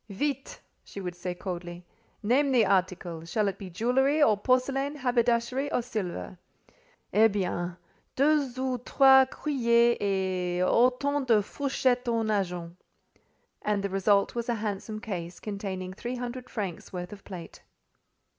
"Vite!" she would say coldly. "Name the article. Shall it be jewellery or porcelain, haberdashery or silver?" "Eh bien! Deux ou trois cuillers, et autant de fourchettes en argent." And the result was a handsome case, containing 300 francs worth of plate.